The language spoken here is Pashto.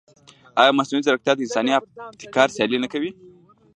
ایا مصنوعي ځیرکتیا د انساني ابتکار سیالي نه کوي؟